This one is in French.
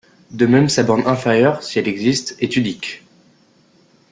De même sa borne inférieure, si elle existe, est unique.